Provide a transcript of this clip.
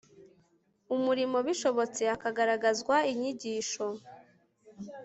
umurimo bishobotse hakagaragazwa inyigisho